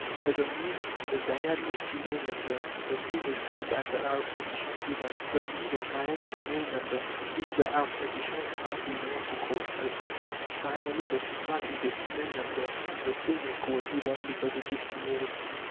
Secondly the dyad is female number, and the same is called by the arithmeticians even. Thirdly the triad is male number; this the arithmeticians have been wont to call odd. Finally the tetrad is a female number, and the same is called even because it is female.